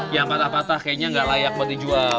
yang patah patah kayaknya nggak layak buat dijual